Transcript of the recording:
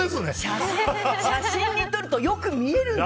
写真に撮るとよく見えるんです！